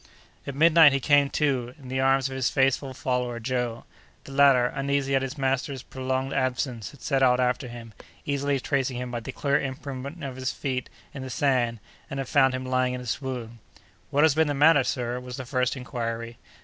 At midnight he came to, in the arms of his faithful follower, Joe. The latter, uneasy at his master's prolonged absence, had set out after him, easily tracing him by the clear imprint of his feet in the sand, and had found him lying in a swoon. "What has been the matter, sir?" was the first inquiry.